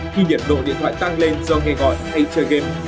khi nhiệt độ điện thoại tăng lên do nghe gọi hay chơi game